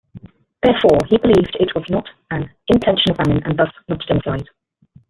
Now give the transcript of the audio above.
Therefore, he believed it was not an intentional famine and thus not a democide.